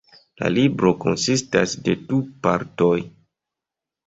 La libro konsistas de du partoj.